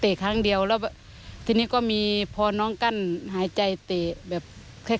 เตะครั้งเดียวแล้วทีนี้ก็มีพอน้องกั้นหายใจเตะ